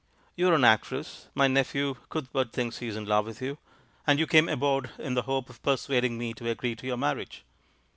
You are an actress; my nephew Cuthbert thinks he is in love with you; and you came aboard in the hope of persuading me to agree to your marriage.